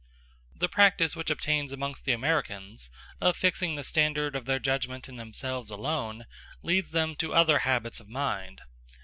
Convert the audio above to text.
The practice which obtains amongst the Americans of fixing the standard of their judgment in themselves alone, leads them to other habits of mind.